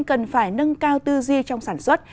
cần phải nâng cao tư duy trong sản xuất